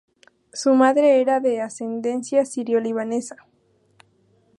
Su madre era de ascendencia sirio-libanesa.